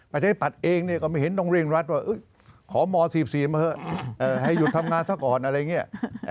ประชาชนิดปัจจุเองก็ไม่เห็นตรงเรียงรัฐว่าเอ๊ะขอมสีบมาเถอะให้หยุดทำงานเท่าก่อนอะไรอย่างเงี้ย